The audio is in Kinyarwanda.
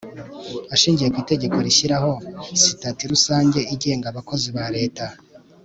ashingiye ku itegeko rishyiraho sitati rusange igenga abakozi ba leta